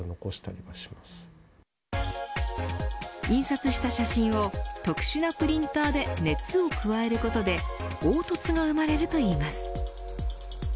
印刷した写真を特殊なプリンターで熱を加えることで凹凸が生まれるといいます。